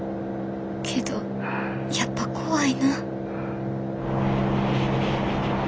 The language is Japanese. けどやっぱ怖いな。